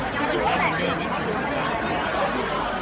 การรับความรักมันเป็นอย่างไร